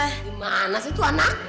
di mana sih itu anak